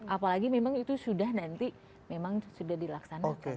apalagi memang itu sudah nanti memang sudah dilaksanakan